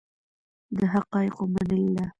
د حقایقو منل ده.